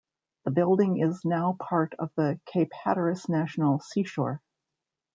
The building is now part of the Cape Hatteras National Seashore.